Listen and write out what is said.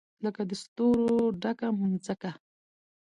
لکه د ستورو ډکه مځکه